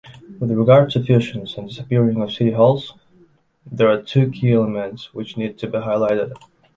With regard to fusions and disappearing of city halls, there are two key elements which need to be highlighted.